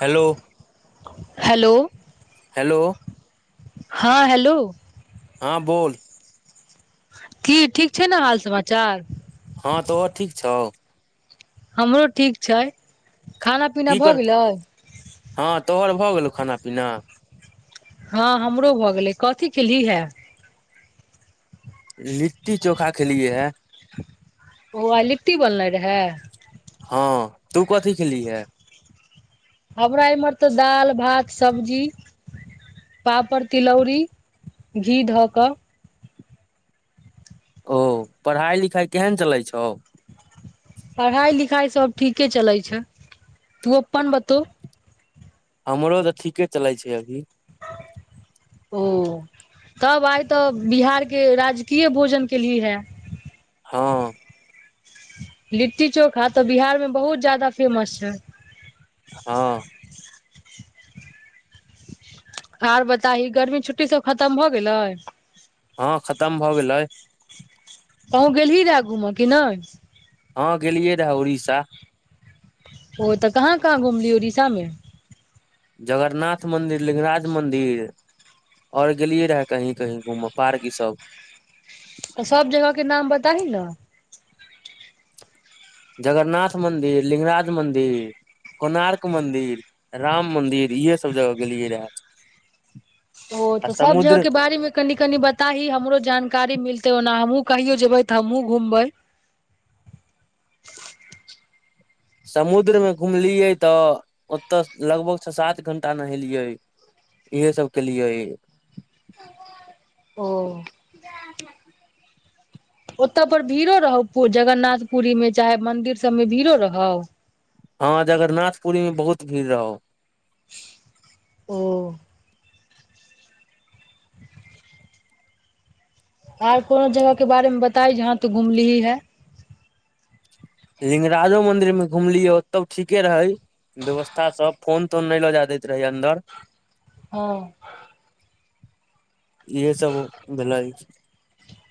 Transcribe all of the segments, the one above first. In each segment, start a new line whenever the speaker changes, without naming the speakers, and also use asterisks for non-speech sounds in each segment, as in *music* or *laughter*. Hello
hello
hello
हँ hello
हँ बोल
की ठीक छै ने हाल समाचार
हँ तोहर ठीक छौ
हमरो ठीक छै खाना पीना
की
भऽ
कर
गेलै
हँ तोहर भऽ गेलौ खाना पीना
हँ हमरो भऽ गेलै कथी खेली हे
लिट्टी चोखा खेलियए हैं
ओ आइ लिट्टी बनले रहे
हँ तू कथी खेलहि है
हमरा इम्हर तऽ दालि भात सब्जी पापड़ तिलौरी घी धऽ कऽ
ओ पढ़ाइ लिखाइ केहन चलै छौ
पढ़ाइ लिखाइ सब ठीके चलैत छै तू अपन बतो
हमरो तऽ ठीके चलै छै अभी
हँ *inaudible* ओ तब आइ तऽ बिहार के राजकीय भोजन केलहि है
हँ
लिट्टी चोखा तऽ बिहार मे बहुत ज्यदा फेमस छै
हँ
हर बताही गर्मी छुट्टी सब खतम भ गेलै
हँ खतम भऽ गेलै
कहूँ गेलही रहै घुमे कि नहि
हँ गेलियै रहऽ उड़ीसा
ओ तऽ कहाँ कहाँ घूमली उड़ीसा मे
जगरनाथ मन्दिर लिंगराज मन्दिर और गेलियै रहऽ कही कहीं घूम पार्क ई सब
सब जगह के नाम बताही ने
जगन्नाथ मन्दिर लिंगराज मन्दिर कोणार्क मंदिर राम मंदिर इहे सब जगह गेलियै रहए
ओ तऽ सब जगहके बारे मे कनि कनी बताही हमरो जानकारी मिलते ओना हमहूँ कहियो जेबै तऽ हमहूँ घूमबै
समुद्रमे घुमलियै तऽ ओतऽ लगभग छ सात घंटा नहेलियै इहे सब केलियए
ओ ओतऽ पर भीड़ो रहौ जगन्नाथ पुरी मे चाहे मंदिर सबमे भीड़ो रहौ
हँ जगरनाथ पुरी मे बहुत भीड़ रहौ
ओ। आर कोनो जगहके बारेमे बताई जहाँ तो घुमली है।
लिगराजो मंदिरमे घुमलियै ओतौ ठीके रहै। व्यवस्था सभ फोन तोन नहि लऽ जाय दैत रहै अन्दर।
हँ।
यहे सभ भलाइ।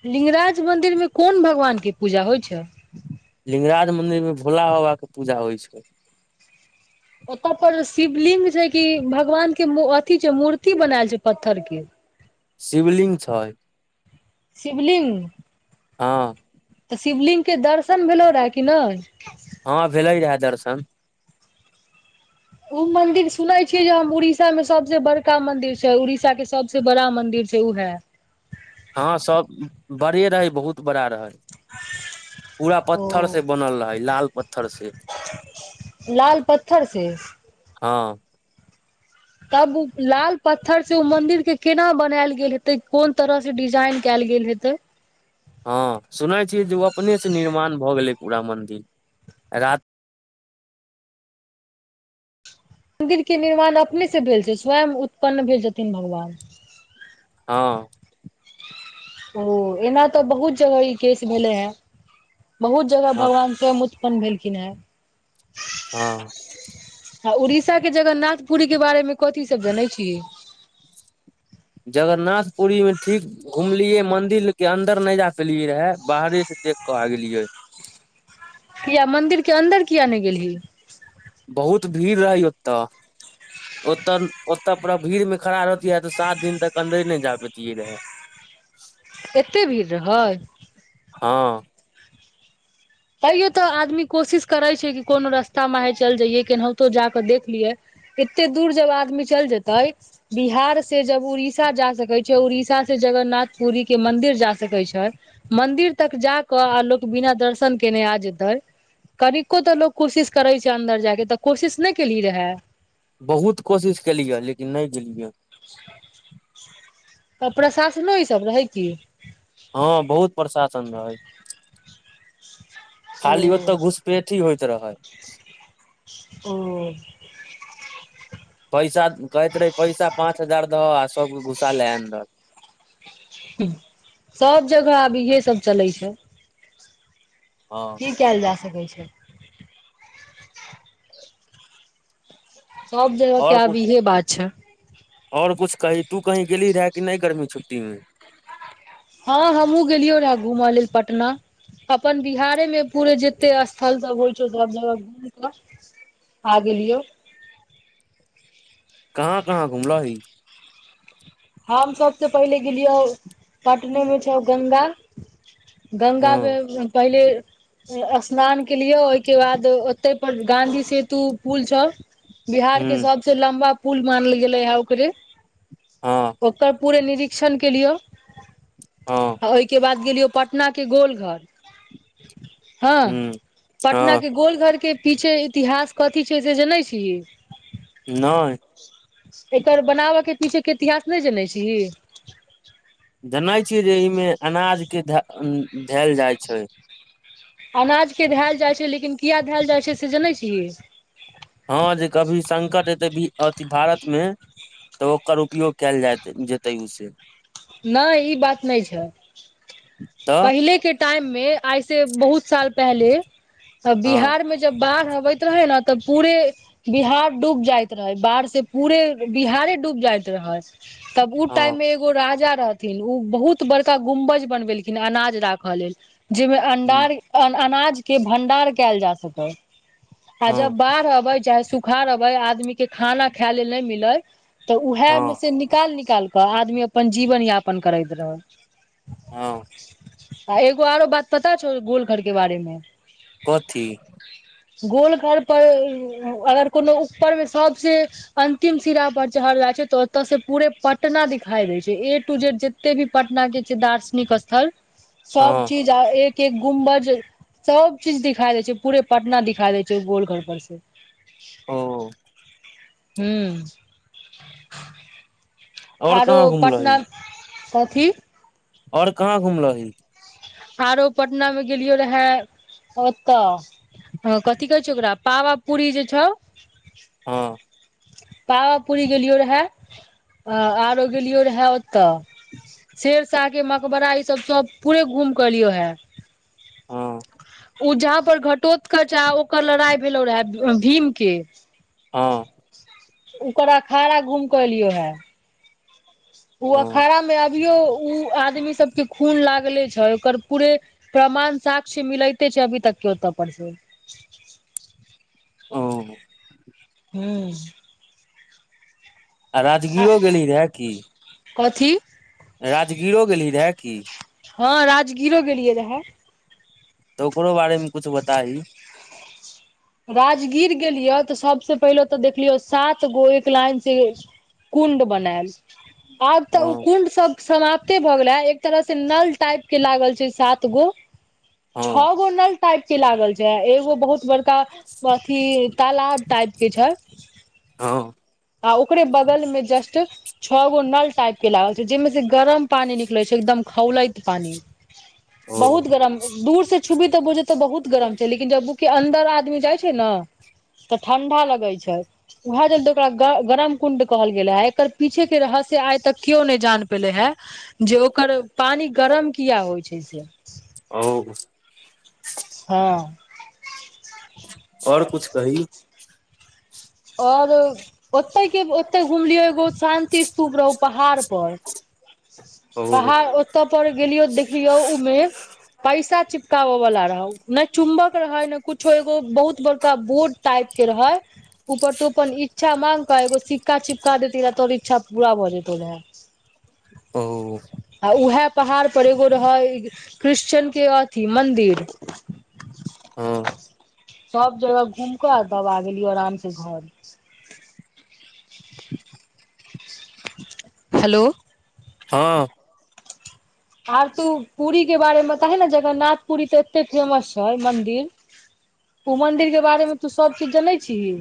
लिगराज मंन्दिरमे कोन भगवानके पूजा होइ छै?
लिगराज मंदिरमे भोला बाबाके पूजा होइ छै।
ओत पर शिवलिंग छै कि भगवानके अथी छै, मूर्ति बनायल छै पत्थरके।
शिवलिंग छै।
शिवलिंग।
हँ।
तऽ शिवलिंगके दर्शन भेलौ रहे कि नहि।
हँ, भेले रहए दर्शन।
ओ मंदिर सुनने छिये जे हम उड़ीसामे सभसे बड़का मंदिर छै उड़ीसाके सभ। सभसे बड़ा मन्दिर छै ओहै।
हँ, सभ बड़े रहै बहुत बड़ा रहै। पूरा
ओ
पत्थर सँ बनल रहै लाल पत्थरसे
लाल पत्थरसे
हँ।
तब लाल पत्थरसे ओ मंदिरके केना बनायल गेल हेतै कोन तरह। जे डिजाइन कैल गेल हेतै।
हँ, सुनै छियै जे ओ अपनेसे निर्माण भऽ गेलै पूरा मंन्दिर रति।
मंन्दिरके निर्माण अपनेसे भेल छै, स्वयं उत्पन्न भेल छथिन भगवान।
हँ।
ओ एना तऽ बहुत जगह ई, केस भेले हे बहुत जगह
हँ
भगवानसे मु प्रकट भेलखिन हँ।
हँ।
आ उड़ीसाके जगन्नाथ पुरीके बारेमे कथी सभ जनै छीयै।
जगरनाथ पुर मे ठीक। घुमलियए मंदिरके अन्दर नहि जा पेलियए रहे बाहरेसे देखके आ गेलियै।
किया मंदिरके अन्दर किया नहि गेलही।
बहुत भीड़ रहै ओतऽ। ओतऽ ओतऽ पूरा भीड़मे खड़ा रहतियै तऽ सात दिन तक अन्दरे नहि जा पेतियै रहे। *inaudible*
एते भीड़ रहै?
हँ।
तैयो तऽ आदमी कोशिश करै छै, कि कोनो रस्ता महे चलि जइये केनाहितो जा कऽ देख लियै। कते दूर जब आदमी चलि जेतै। बिहारसँ उड़िसा जा सकैत छै, आ उड़िसासँ जगन्नाथपुरीक मन्दिर जा सकैत छै। मंन्दिर तक जा कऽ आ लोक बिना दर्शन केने आज जेतय। कनिको तऽ लोकोग कोशिश करै छै, अन्दर जायके तऽ कोशिश नहि केलिय रहे।
बहुत कोशिश केलियै लेकिन नहि गेलियै।
*unintelligible* त प्रशासनो ई सभ रहै की?
हँ, बहुत प्रशासन रहै। खाली ओतऽ घुसपैठी होइत रहै
ह, ह।
पैसा कहैत रहे पैसा पाँच हजार दहऽ आ सभके घुसाले अन्दर।
सभ जगह आब इहे सभ चलै छै।
हँ
की कयल जा सकैत छै।
*inaudible*
सभ जगहके आब इहे बात छै।
ओर कुछ कही तू कहीं गेली रहे कि नहि गर्मी छुट्टी मे?
हँ, हमहुँ गेलियै रहे घूमऽ लेल पटना। अपन बिहारेमे पूरे जते स्थल सभ होइ छौ, सभ जगह घूम कऽ। आ, गेलियौ।
कहाँ, कहाँ घुमल ही?
हम सभसँ पहिले गेलियौ पटनेमे छौ, गंगा। गंगामे
हँ
पहिले। स्नान केलियए, ओहिके बाद ओते पर गाधी सेतु पुल छौ।
ह
बिहारके सभसे लम्बा पुल मानल गेले हे ओकरे।
हँ।
ओकर पूरे निरीक्षण केलियौ।
हँ
आ ओहिके बाद गेलियौ पटनाके गोलघर। हँ,
ह हँ
पटनाके गोलघरके पीछे। इतिहास कथी छै, से जनै छै?
नहि।
एकर बनाबयके पीछेके इतिहास नहि जनै छी।
धनाइ छियै जे ईमे अनाजके धेल जाइ छै।
अनाजके धयल जाइ छै, लेकिन किया धएल जाइ छै, से जनै छी।
हँ, जे कभी संकट एते अथि भारतमे। तऽ ओकर उपयोग कयल जाय जेतै, ओ से
नहि ई बात नहि छै,
तऽ
पहिलेके टाइममे आइ से बहुत साल पहले
हँ
बिहारमे। जब बाढ़ अबैत रहे ने तऽ पूरे। बिहार डूब जाइत रहे, बाढ़से पूरे बिहारे डूब जाइत रहै। तब ओ
हँ
टाइममे एगो राज। ज रहथिन ओ बहुत बड़का गुमबज बनबेलखिन अनाज राखऽ लेल जहिमे अंडार। अनाजके भंडार कयल जा सकै आ
हँ
जब बाढ़ अबे चाहे। सुखार रहबे आदमीके खाना खाय ले नहि मिले तऽ
हँ
उहेमें से निकाल निकाल। तऽ आदमी अपन जीवन यापन करैत रहै।
ह।
आ एगो आरो बात पता छौ गोलघरके बारेमे?
कथि।
गोलघर पर अगर कोनो ऊपर मे सभसे अंतिम सिरा पर चढ़ल जाइ छै, तऽ ओतसे पूरे पटना दिखाई देय छै। ए टू जेड जते भी पटनाके छै, दार्शनिक स्थल सभ
हँ
चीज। एक एक गुमबज। सभ चीज दिखाई दे छै, पूरे पटना दिखा दे छै, गोलघर पर से।
ओ।
हू।
और
आरो
कहाँ
पटना
घुमलही
कथि।
ओर कहाँ घुमलो?
आरो पटनामे गेलियो रहै ओतऽ। हँ, कथी कहै छौ, ओकरा पावापूरी जे छौ
हँ।
पावापुरी गेलियो रहे आ, आरो गेलियो रहे ओतऽ शेरशाहके मकबरा ईसभ सभ पूरे घूम कऽ एलियो।
हँ।
उजहा पर घटोत करचा ओकर लड़ाई भेलहु रहे भीमके।
हँ
ओकर अखाड़ा घूम केऽ एलियौ हे ओ
हँ
अखाड़ा मे अभ अभियो ओ आदमी सब के खून लागले छै ओकर पूरे प्रमाण साक्ष्य मिलयते छै अभी तक के होत परसे
ओम
हूँ आ
राजगीरो गेली रहए कि
कथी
राजगीरो गेली रहए कि
हँ राजगीरो गेलियै रहए
तऽ ओकरो बारे मे कुछ बताही
राजगीर गेलियै तऽ सबसे पहिले तऽ देखलियो सात गो एक लाइन से कुण्ड बनायल आब तऽ ओ
हँ
कुण्ड सब समाप्ते भ गेले ह एक तरह से नल टाइप के लागल छै सात गो
हँ
छः गो नल टाइप के लागल छै एगो बहुत बड़का अथी तालाब टाइप के छैल
हँ
आ ओकरे बगल में जस्ट छह गो नल टाइप के लागल छै जेहिमे से गरम पानी निकलै छै एकदम खौलैत पानी
ओ
बहुत गरम दूर से छुबी तऽ बझे तऽ बहुत गरम छै लेकिन जब अन्दर आदमी जाइ छै ने तऽ ठं्डा लगै छै उएह जल्द ओकरा ग गरम कुं्ड कहल गेल है एकर पीछे के रहस्य आइ तक केयो नहि जान पेले है जे ओकर पानि गरम किया होइ छै से
ओ
हँ
ओर कुछ कही
ओर ओते के ओते घुमलियो एगो शान्ति स्तूप रह पहाड़ पर
ओ
पहाड़ ओ ओत पर गेलियो देखलियो उमे पैसा चिपकाबे वला रहौ ने चुम्बक रहै ने कुछो एगो बहुत बड़का बोर्ड टाइप के रहे ऊपर तो अपन इच्छााँंग क एगो सिक्का छिपका देती रहै तोर इच्छा पूरा भऽ जेतौ रहै *inaudible*
ओम
आ उएह पहाड़ पर एगो रहै क्रिश्चन के अथी मन्दिर *unintelligible*
हूँ
सब जगह घूम क तब आ गेलीयो आराम से घर हेलो
हँ
आर तू पुरी के बारेमें ते ने जगन्नाथ पुरी त एते फेमस छै मन्दिर ऊ मंन्दिर के बारे मे तू सब चीज जनै छीही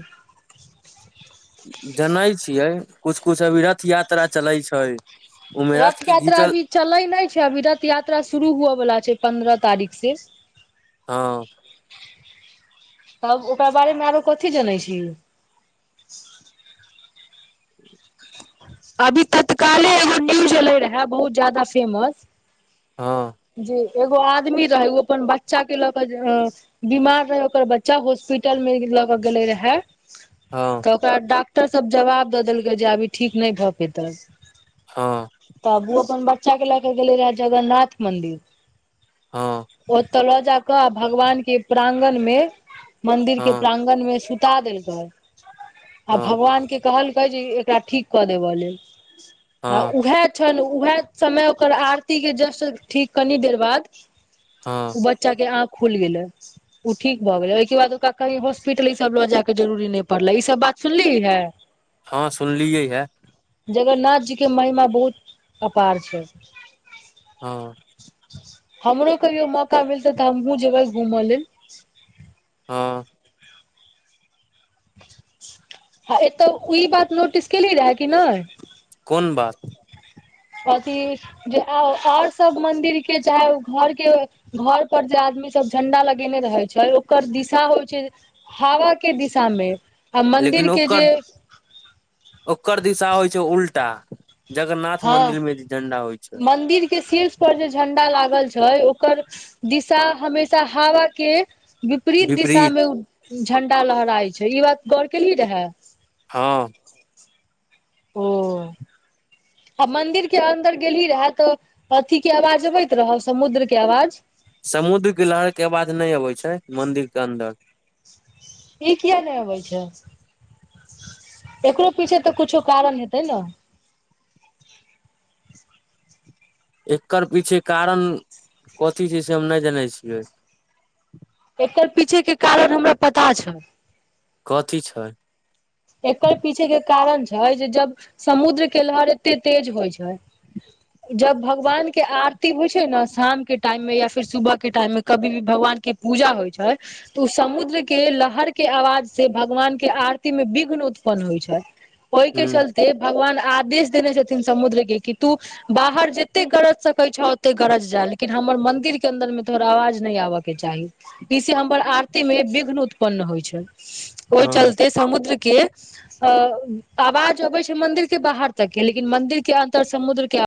जनै छियै कुछ कुछ अभी रथ यात्रा चलै छै ओमे
रथ
के
यात्रा
घीचल
अभी चलै नहि छै अभी रथ यात्रा शुरू हुअवला छै पन्द्रह तारीख से
हँ
तब ओकरा बारे मे आरो कथी जनै छी
*inaudible*
अभी तत्काले एगो न्यूज एले रहै बहुत ज्यादा फेमस
हँ
जी एगो आदमी रहे ओ अपन बच्चा के ल क ज बीमार रहै ओकर बच्चा हॉस्पिटल मे लऽ के गेले रहै
हँ
ओकरा डॉक्टर सब जवाब दऽदेलकै जे अभी ठीक नै भ पतै
हँ
तब ओ अपन बच्चा के लएके गेले रहे जगन्नाथ मंदिर
हँ
ओतऽ लऽ जाकऽ आ भगवान के प्रांगण मे मंदिर के
हँ
प्रांगन मे सुता देलकै आ
हँ
भगवान के कहलकै जे एकरा ठीक कदेब लेल आ
हँ
उहे छन उएह समय ओकर आरती के जस्ट ठीक कनि देर बाद
हँ
ओ बच्चा के आँख खुल गेलै ओ ठीक भ गेलै ओहिके बाद ओकरा कही हॉस्पिटल ई सब ल जाय के जरुरी न पड़ले ई सब बात सुनली है
हँ सुनलियै य
जगन्नाथ जी के महिमा बहुत अपार छै
हँ
हमरो कहियो मौका मिलतै तऽ हमहुँ जेबै घूमऽ ले
हँ
ह अते ई बात नोटिस केली रहय कि ने
कोन बात
अथि जे ओर सब मंदिर के चाहे ओ घर के घर पर जे आदमी सब झंडा लगेने रहै छै ओकर दिशा होइ छै हवा के दिशामे
लेकिन ओकर ओकर दिशा होइ छै उल्टा जगन्नाथ मंदिर मे जे झंडा होइ छै
मन्दिर के शीर्ष पर जे झण्डा लागल छै ओकर दिशा हमेशा हवा के विपरीत दिशा मे उ झंडा लहराय छै ई बात गौर केेली रहे
हँ
ओ आ मंन्दिर के अन्दर गेली रहे त अथी के आवाज अबैत रह समुद्र के आवाज
समुद्र के लहर के आवाज नहि अबै छै मंदिर के अन्दर
ई किया नहि होबै छै एकरो पीछे तऽ कुछो कारण हेतै ने
एकर पीछे कारण कथी छै से हम नहि जानै छियै
एकर पीछे के कारण हमरा पता छै
कथी छै
एकर पीछे के कारण छै जे जब समुद्र के लहर एते तेज होइ छै जब भगवान के आर होइ छै ने शाम के टाइम मे या फिर सुबह के टाइम मे कभी भी भगवान के पूजा होइ छै त समुद्र के लहर के आवाज से भगवान के आरती मे बिक उत्पन्न होइ छै ओहिके
हूँ
चलते भगवान आदेश देने छथिन समुद्र के कि तू बाहर जते गरज सकैत छौ ओते गरज जाय लेकिन हमर मंदिर के अन्दर मे तोहर आवाज नहि आबक के चाही इस हमर आरती मे विघ्न उत्पन्न होइ छै ओहि
हँ
चलते समुद्र के अ आवाज अबे छै मंदिर के बाहर तक के लेकिन मंदिर के अंदर समुद्र के आ